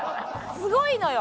すごいのよ！